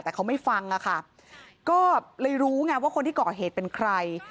แต่เขาไม่ฟังอะค่ะก็เลยรู้ไงว่าคนที่ก่อเหตุเป็นใคร